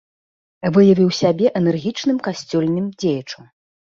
Выявіў сябе энергічным касцёльным дзеячам.